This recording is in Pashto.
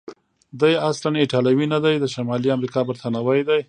دی اصلا ایټالوی نه دی، د شمالي امریکا برتانوی دی.